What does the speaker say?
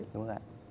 đúng rồi ạ